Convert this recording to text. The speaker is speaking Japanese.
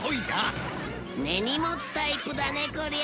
根に持つタイプだねこりゃ